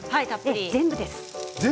全部です。